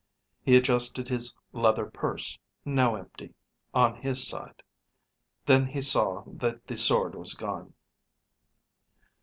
He adjusted his leather purse, now empty, on his side. Then he saw that the sword was gone.